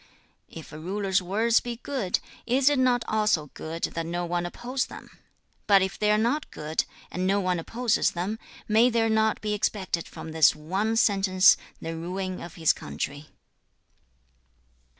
5. 'If a ruler's words be good, is it not also good that no one oppose them? But if they are not good, and no one opposes them, may there not be expected from this one sentence the ruin of his country?'